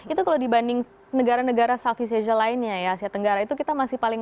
itu kalau dibanding negara negara southeast asia lainnya ya asia tenggara itu kita masih paling